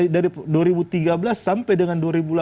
dari dua ribu tiga belas sampai dengan dua ribu delapan belas